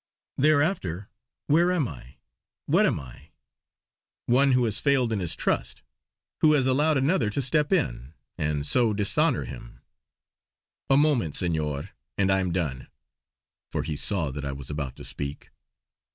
Thereafter where am I; what am I? One who has failed in his trust. Who has allowed another to step in; and so dishonour him! A moment, Senor, and I am done," for he saw that I was about to speak.